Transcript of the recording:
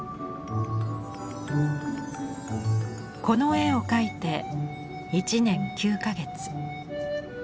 この絵を描いて１年９か月。